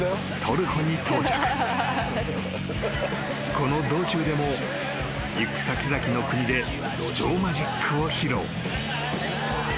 ［この道中でも行く先々の国で路上マジックを披露］